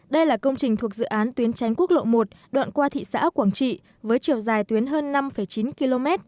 đây là công trình thuộc dự án tuyến tránh quốc lộ một đoạn qua thị xã quảng trị với chiều dài tuyến hơn năm chín km